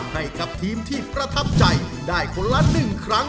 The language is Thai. ให้กับทีมที่ประทับใจได้คนละ๑ครั้ง